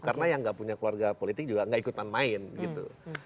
karena yang gak punya keluarga politik juga gak ikutan main gitu